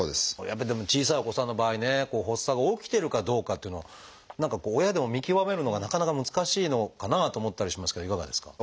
やっぱりでも小さいお子さんの場合ね発作が起きてるかどうかっていうのを何かこう親でも見極めるのがなかなか難しいのかなと思ったりしますけどいかがですか？